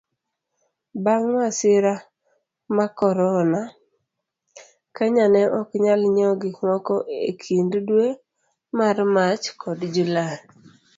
bang' masira marcorona, Kenya ne oknyal nyiewo gikmoko ekind dwe mar Mach kod Julai.